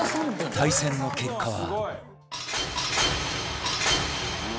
対戦の結果は